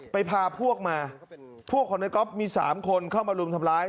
พาพวกมาพวกของในก๊อฟมี๓คนเข้ามารุมทำร้าย